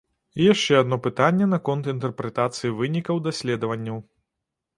І яшчэ адно пытанне наконт інтэрпрэтацыі вынікаў даследаванняў.